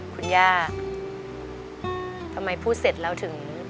คุณย่าทำไมพูดเสร็จเราถึง